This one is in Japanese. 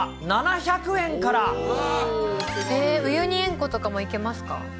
えー、ウユニ塩湖とかも行けますか。